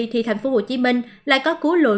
thì thành phố hồ chí minh lại có cú lộ